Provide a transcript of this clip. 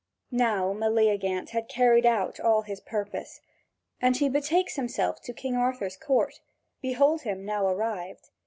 (Vv. 6167 6220.) Now Meleagant has carried out all his purpose, and he betakes himself to King Arthur's court: behold him now arrived!